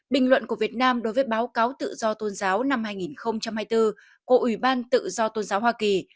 bình luận của việt nam đối với báo cáo tự do tôn giáo năm hai nghìn hai mươi bốn của ủy ban tự do tôn giáo hoa kỳ